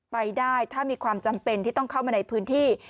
ไปได้ถ้ามีความจำเป็นที่ต้องเข้ามาในพื้นที่